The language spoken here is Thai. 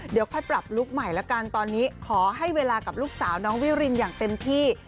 เดี๋ยวค่อยปรับลุคใหม่แล้วกันตอนนี้ขอให้เวลากับลูกสาวน้องวิรินอย่างเต็มที่